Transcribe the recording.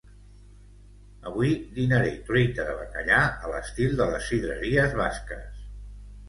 avui dinaré truita de bacallà a l'estil de les sidreries basques